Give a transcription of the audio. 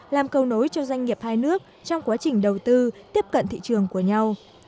làm cầu nối cho doanh nghiệp hai nước trong quá trình đầu tư tiếp cận thị trường của nhau